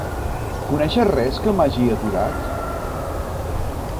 Coneixes res que m'hagi aturat?